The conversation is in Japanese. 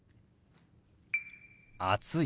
「暑い」。